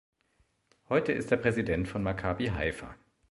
Heute ist er Präsident von Maccabi Haifa.